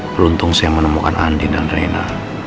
beruntung saya menemukan andi dan reina